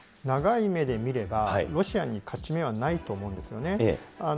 長い目で見れば、ロシアに勝ち目はないと思うんですよね。